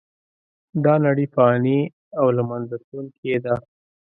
دا نړۍ فانې او له منځه تلونکې ده .